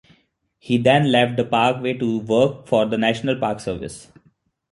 He then left the Parkway to work for the National Park Service.